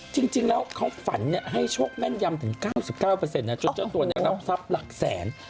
จริงแล้วเขาฝันให้โชคแม่นยำถึง๙๙จนเจ้าตัวรับทรัพย์หลักแสน